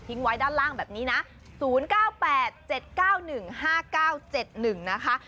ไว้ด้านล่างแบบนี้นะ๐๙๘๗๙๑๕๙๗๑นะคะ